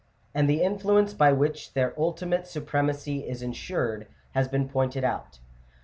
And the influence by which their ultimate su premacy is ensured has been pointed out (Chap.